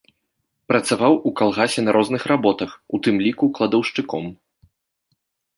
Працаваў у калгасе на розных работах, у тым ліку кладаўшчыком.